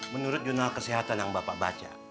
menurut jurnal kesehatan yang bapak baca